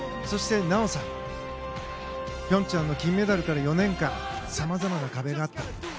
そして、奈緒さん平昌の金メダルから４年間さまざまな壁があった。